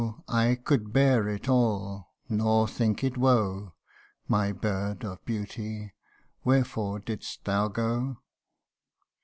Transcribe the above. I could bear it all, nor think it woe : My bird of beauty ! wherefore didst thou go